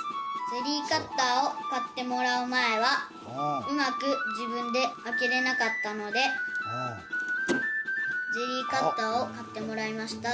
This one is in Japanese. ゼリーカッターをかってもらうまえはうまくじぶんであけれなかったのでゼリーカッターをかってもらいました。